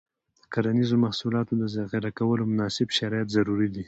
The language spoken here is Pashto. د کرنیزو محصولاتو د ذخیره کولو مناسب شرایط ضروري دي.